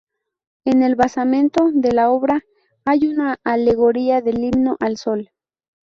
En el basamento de la obra hay una alegoría del "Himno al Sol".